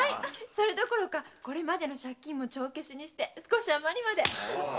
そのうえこれまでの借金も帳消しにして少し余りまで。